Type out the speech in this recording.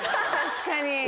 確かに。